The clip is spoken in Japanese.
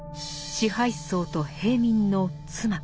支配層と平民の「妻」。